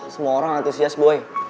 semua orang antusias boy